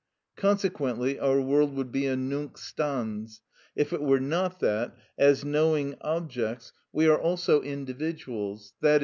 Consequently our world would be a nunc stans, if it were not that, as knowing subjects, we are also individuals, _i.